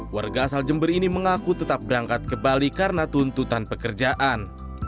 warga asal jember ini mengaku tetap berangkat ke bali karena tuntutan pekerjaan